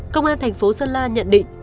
công an thành phố sơn la nhận định